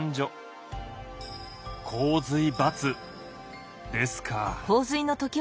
「洪水×」ですか。